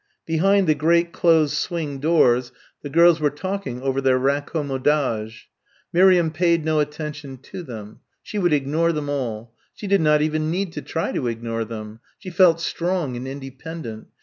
Behind the great closed swing doors the girls were talking over their raccommodage. Miriam paid no attention to them. She would ignore them all. She did not even need to try to ignore them. She felt strong and independent.